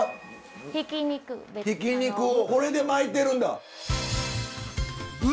ひき肉をこれで巻いてるんだ。